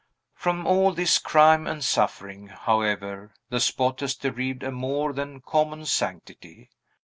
From all this crime and suffering, however, the spot has derived a more than common sanctity.